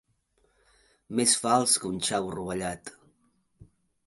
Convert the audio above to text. Més fals que un xavo rovellat.